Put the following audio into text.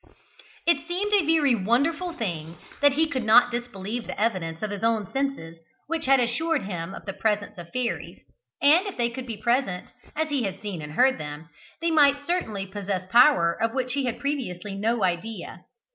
It seemed a very wonderful thing, but he could not disbelieve the evidence of his own senses, which had assured him of the presence of fairies; and if they could be present, as he had seen and heard them, they might certainly possess power of which he had previously had no idea.